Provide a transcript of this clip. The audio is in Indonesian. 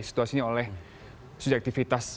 situasinya oleh subjektivitas